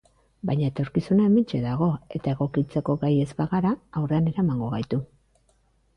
Baina etorkizuna hementxe dago eta egokitzeko gai ez bagara aurrean eramango gaitu.